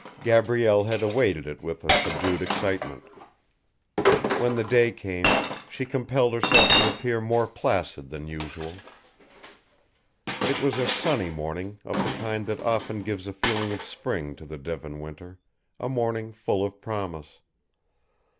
Gabrielle had awaited it with a subdued excitement. When the day came, she compelled herself to appear more placid than usual. It was a sunny morning of the kind that often gives a feeling of spring to the Devon winter, a morning full of promise.